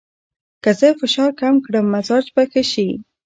که زه فشار کم کړم، مزاج به ښه شي.